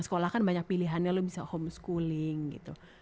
sekolah kan banyak pilihannya lo bisa homeschooling gitu